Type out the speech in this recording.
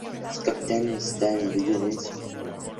Su capital se sitúa en la villa de Sepúlveda.